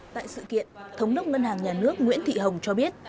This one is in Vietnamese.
tại sự kiện thống đốc ngân hàng nhà nước nguyễn thị hồng cho biết